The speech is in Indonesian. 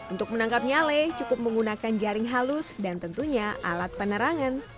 untuk menangkap nyale cukup menggunakan jaring halus dan tentunya alat penerangan